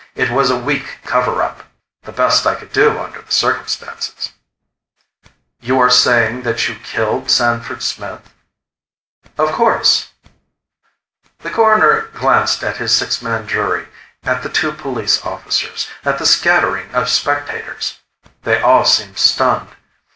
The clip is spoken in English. It was a weak cover up. The best I could do under the circumstances." "You are saying that you killed Sanford Smith?" "Of course." The Coroner glanced at his six man jury, at the two police officers, at the scattering of spectators. They all seemed stunned.